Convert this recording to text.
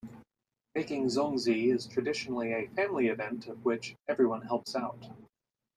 Making zongzi is traditionally a family event of which everyone helps out.